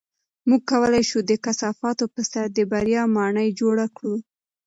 موږ کولی شو د کثافاتو په سر د بریا ماڼۍ جوړه کړو.